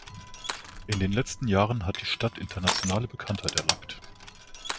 In den letzten Jahren hat die Stadt internationale Bekanntheit erlangt.